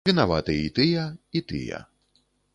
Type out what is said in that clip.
Вінаваты і тыя, і тыя.